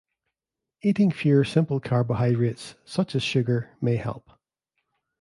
Eating fewer simple carbohydrates such as sugar may help.